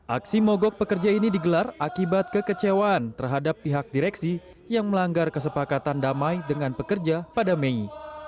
aksi mogok pekerja ini digelar akibat kekecewaan terhadap pihak direksi yang melanggar kesepakatan damai dengan pekerja pada mei